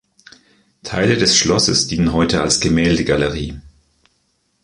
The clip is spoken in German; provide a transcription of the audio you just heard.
Teile des Schlosses dienen heute als Gemäldegalerie.